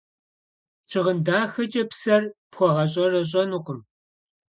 Щыгъын дахэкӏэ псэр пхуэгъэщӏэрэщӏэнукъым.